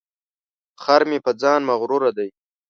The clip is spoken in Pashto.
خر مې په ځان مغروره دی.